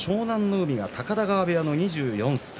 海は高田川部屋の２４歳。